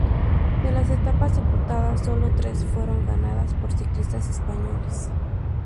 De las etapas disputadas, sólo tres fueron ganadas por ciclistas españoles.